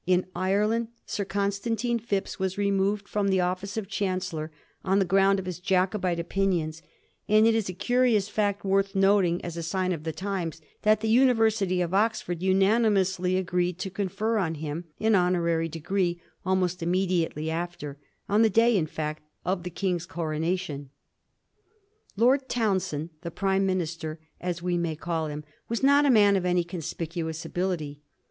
In Ire land, Sir Gonstantine Phipps was removed fi om the office of Chancellor, on the ground of his Jacobite opinions ; and it is a curious fact, worth noting as a sign of the times, that the University of Oxford unanimously agreed to confer on him an honorary degree almost immediately after — on the day, in fact, of the King's coronation. Lord Townshend, the Prime Minister, as we may call him, was not a man of any conspicuous ability.